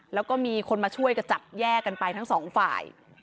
แล้วก็มีคนมาช่วยกระจับแยกกันไปทั้งสองฝ่าย